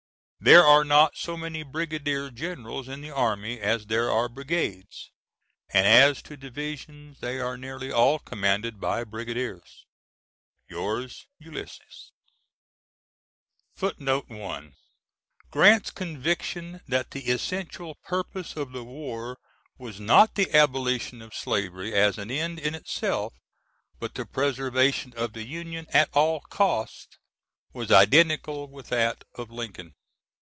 There are not so many brigadier generals in the army as there are brigades, and as to divisions they are nearly all commanded by brigadiers. Yours, ULYSSES. [Footnote 1: Grant's conviction that the essential purpose of the war was not the abolition of slavery as an end in itself, but the preservation of the Union at all costs was identical with that of Lincoln.